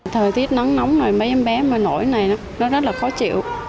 thời tiết nắng nóng rồi mấy em bé mà nổi này nó rất là khó chịu